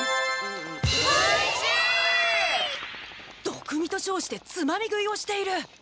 どくみとしょうしてつまみ食いをしている。